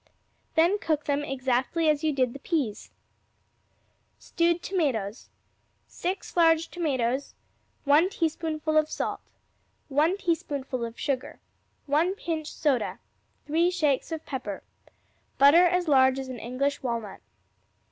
Then cook them exactly as you did the peas. Stewed Tomatoes 6 large tomatoes. 1 teaspoonful of salt. 1 teaspoonful of sugar. 1 pinch soda. 3 shakes of pepper. Butter as large as an English walnut.